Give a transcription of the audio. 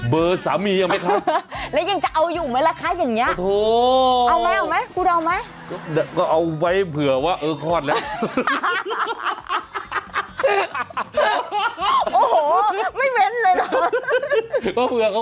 เบอร์สามีอย่างนี้ครับ